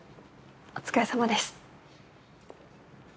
お疲れさまです。